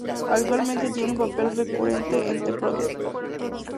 Actualmente tiene un papel recurrente en "The Protector".